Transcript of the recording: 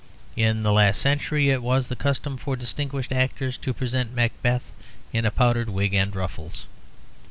In the last century it was the custom for distinguished actors to present Macbeth in a powdered wig and ruffles.